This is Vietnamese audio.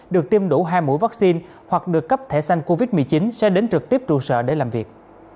được tiêm đủ hai mũi vaccine hoặc được cấp thẻ xanh covid một mươi chín sẽ đến trực tiếp trụ sở để làm việc